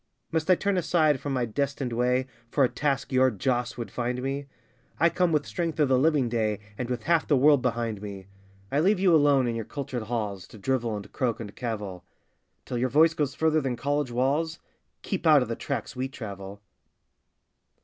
Must I turn aside from my destined way For a task your Joss would find me? I come with strength of the living day, And with half the world behind me; I leave you alone in your cultured halls To drivel and croak and cavil: Till your voice goes further than college walls, Keep out of the tracks we travel!